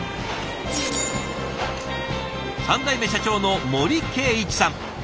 ３代目社長の森敬一さん。